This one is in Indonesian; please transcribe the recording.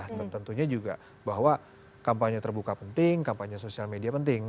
dan tentunya juga bahwa kampanye terbuka penting kampanye social media penting